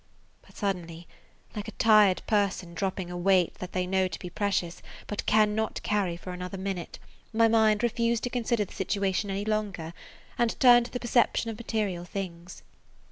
But suddenly, like a tired person dropping a weight that they know to be precious, but cannot carry for another minute, my mind refused to consider the situation any longer and turned to the [Page 115] perception of material things.